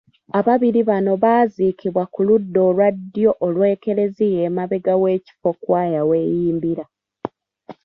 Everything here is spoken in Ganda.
Ababiri bano baaziikibwa ku ludda olwa ddyo olw'Eklezia emabega w'ekifo Kkwaya w'eyimbira.